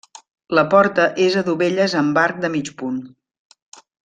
La porta és a dovelles amb arc de mig punt.